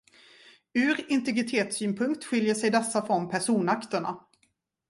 Ur integritetssynpunkt skiljer sig dessa från personakterna.